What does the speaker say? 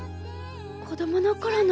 子供の頃の私？